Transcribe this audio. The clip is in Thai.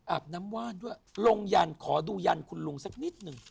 อาบน้ำว่านด้วยลงยันขอดูยันคุณลุงสักนิดหนึ่ง